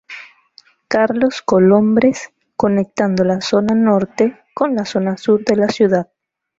Carlos Colombres, conectando la zona norte, con la zona sur de la ciudad.